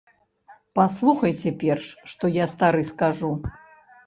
Паслухайце перш, што я стары скажу.